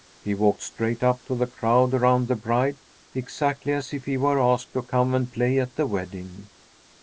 He walked straight up to the crowd around the bride, exactly as if he were asked to come and play at the wedding.